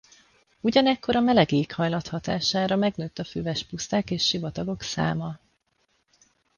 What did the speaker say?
Ugyanekkor a meleg éghajlat hatására megnőtt a füves puszták és sivatagok száma.